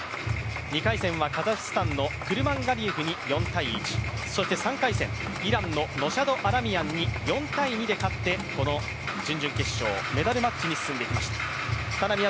２回戦はカザフスタンのクルマンガリエフに４−１そして３回戦、ノシャド・アラミヤンに勝ってこの準々決勝メダルマッチに進んできました。